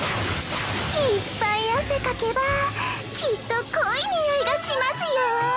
いっぱい汗かけばきっと濃い匂いがしますよ。